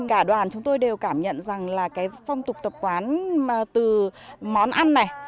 cả đoàn chúng tôi đều cảm nhận rằng là cái phong tục tập quán từ món ăn này